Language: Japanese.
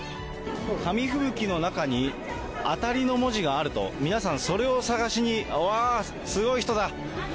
紙吹雪の中に、当たりの文字があると、皆さんそれを探しに、わー、すごい人だ。